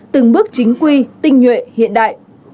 từng bước chính quy tinh nhuệ hiện đại